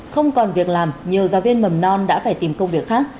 không còn việc làm nhiều giáo viên mầm non đã phải tìm công việc khác